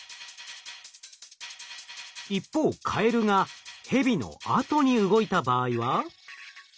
一方カエルがヘビのあとに動いた場合は？